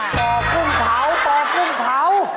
ปกุ้งเผา